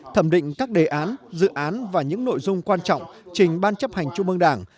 thẩm định các đề án dự án và những nội dung quan trọng trình ban chấp hành trung mương đảng